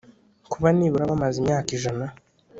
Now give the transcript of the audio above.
kuba nibura bamaze imyaka ijana